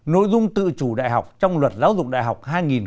nội dung tự chủ đại học trong luật giáo dục đại học hai nghìn một mươi tám